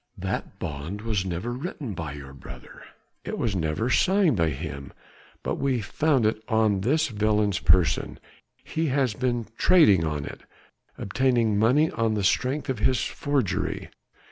That bond was never written by your brother, it was never signed by him. But we found it on this villain's person; he has been trading on it, obtaining money on the strength of his forgery.